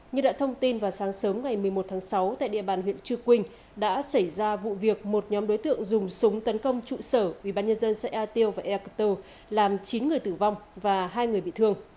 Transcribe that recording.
như đã thông tin vào sáng sớm ngày một mươi một tháng sáu tại địa bàn huyện chư quynh đã xảy ra vụ việc một nhóm đối tượng dùng súng tấn công trụ sở ubnd xã ea tiêu và ea cơ làm chín người tử vong và hai người bị thương